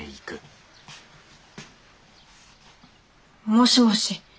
もしもし。